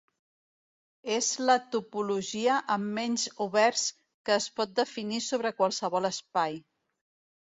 És la topologia amb menys oberts que es pot definir sobre qualsevol espai.